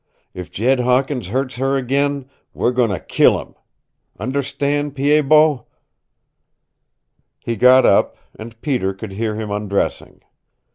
If Jed Hawkins hurts her again we're goin' to kill him! Understand, Pied Bot?" He got up, and Peter could hear him undressing.